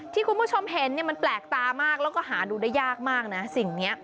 ที่คุณผู้ชมเห็นเนี่ยมันแปลกตามากแล้วก็หาดูได้ยากมากนะสิ่งนี้